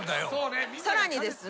さらにですね